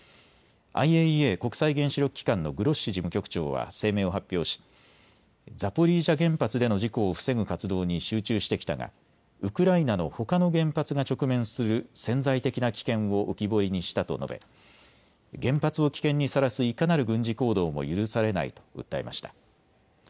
ＩＡＥＡ・国際原子力機関のグロッシ事務局長は声明を発表し、ザポリージャ原発での事故を防ぐ活動に集中してきたがウクライナのほかの原発が直面する潜在的な危険を浮き彫りにしたと述べ、原発を危険にさらすいかなる軍事行動も許されないと訴えました。